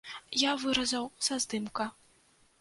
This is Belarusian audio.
Я выразаў са здымка.